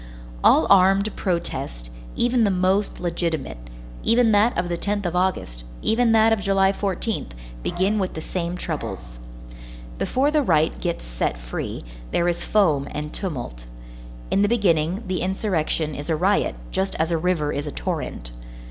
All armed protests, even the most legitimate, even that of the 10th of August, even that of July 14th, begin with the same troubles. Before the right gets set free, there is foam and tumult. In the beginning, the insurrection is a riot, just as a river is a torrent.